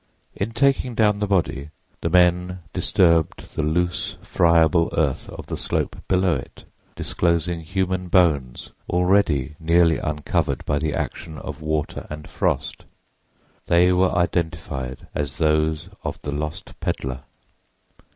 In taking down the body the men disturbed the loose, friable earth of the slope below it, disclosing human bones already nearly uncovered by the action of water and frost. They were identified as those of the lost peddler.